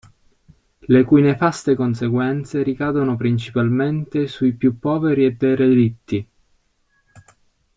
Le cui nefaste conseguenze ricadono principalmente sui più poveri e derelitti.